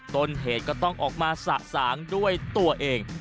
ต้นเหตุก็ต้องออกมาสะสางด้วยตัวเอง